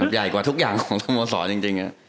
ใหญ่กว่าทุกอย่างของสโมสรจริง